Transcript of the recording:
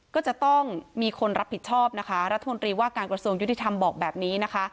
ก็จะต้องมีคนรับผิดชอบนะคะรัฐมนตรีว่าการกระทรวงยุติธรรมบอกแบบนี้นะคะ